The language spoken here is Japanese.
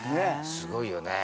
すごいよね。